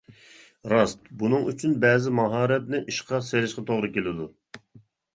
راست، بۇنىڭ ئۈچۈن بەزى ماھارەتنى ئىشقا سېلىشقا توغرا كېلىدۇ.